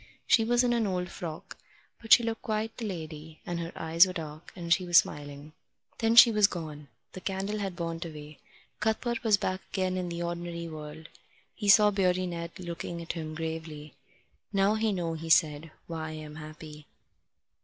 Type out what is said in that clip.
She was in an old frock, but she looked quite the lady, and her eyes were dark, and she was smiling. Then she was gone. The candle had burnt away. Cuthbert was back again in the ordinary world. He saw Beardy Ned looking at him gravely. "Now you know," he said, "why I'm happy."